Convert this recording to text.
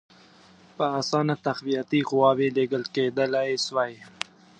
په اسانه تقویتي قواوي لېږل کېدلای سوای.